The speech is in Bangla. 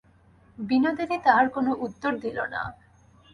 বিনোদিনী তাহার কোনো উত্তর দিল না।